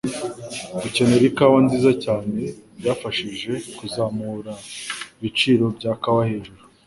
Gukenera ikawa nziza cyane byafashije kuzamura ibiciro bya kawa hejuru.